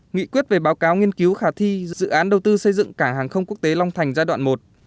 nghị quyết về báo cáo nghiên cứu khả thi dự án đầu tư xây dựng cảng hàng không quốc tế long thành giai đoạn một